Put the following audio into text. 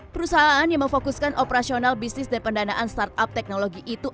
perusahaan yang memfokuskan operasional bisnis dan pendanaan startup teknologi itu